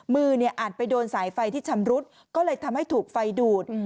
มือเนี่ยอาจไปโดนสายไฟที่ชำรุดก็เลยทำให้ถูกไฟดูด